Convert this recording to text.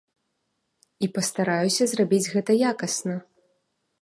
І пастараюся зрабіць гэта якасна.